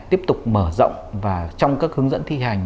tiếp tục mở rộng và trong các hướng dẫn thi hành